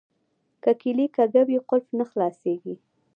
که کیلي کږه وي قلف نه خلاصیږي.